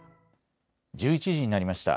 １１時になりました。